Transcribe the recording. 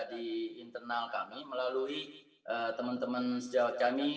di internal kami melalui teman teman sejawat kami